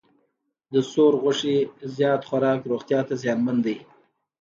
د سور غوښې زیات خوراک روغتیا ته زیانمن دی.